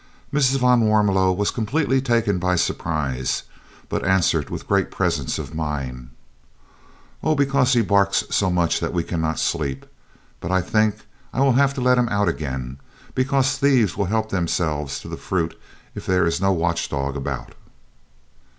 Mrs. van Warmelo was completely taken by surprise, but answered with great presence of mind: "Oh, because he barks so much that we cannot sleep. But I think I will have to let him out again, because thieves will help themselves to the fruit if there is no watch dog about."